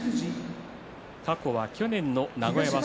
過去は去年の名古屋場所。